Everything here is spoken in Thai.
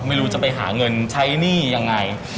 ไม่รู้จะไปหาเงินใช้หนี้ยังไง